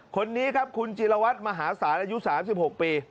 คนนี้ครับคุณจิลวัตรมหาศาลอายุ๓๖ปี